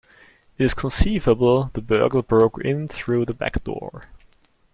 It is conceivable the burglar broke in through the back door.